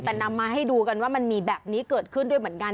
แต่นำมาให้ดูกันว่ามันมีแบบนี้เกิดขึ้นด้วยเหมือนกัน